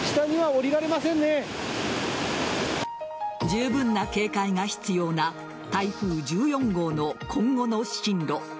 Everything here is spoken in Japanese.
じゅうぶんな警戒が必要な台風１４号の今後の進路。